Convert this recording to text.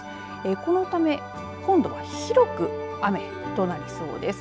このため今度は広く雨となりそうです。